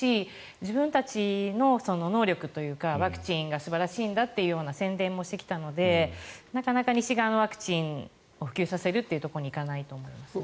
自分たちの能力というかワクチンが素晴らしいんだというような宣伝もしてきたのでなかなか西側のワクチンを普及されるところにはいかないと思いますね。